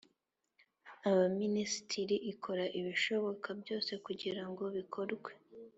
Abaminisitiri ikora ibishoboka byose kugira ngo bikorwe